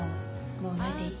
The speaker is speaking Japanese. もう泣いていい。